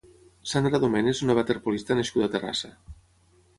Sandra Domene és una waterpolista nascuda a Terrassa.